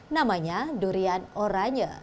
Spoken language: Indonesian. namanya durian oranye